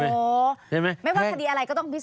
ไม่ว่าคดีอะไรก็ต้องพิสูจน์อีกที